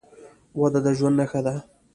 وده د ژوند نښه ده.